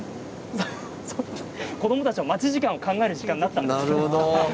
子どもたちの待ち時間を考える時代になったんです。